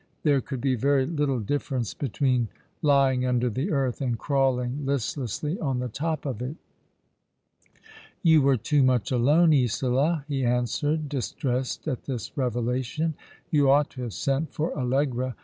There could be very little difference between lyicg under the earth and crawling list lessly on the top of it." *' You were too much alone, Isola," he answered, distressed at this revelation. " You ought to have sent for Allegra.